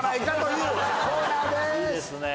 いいですね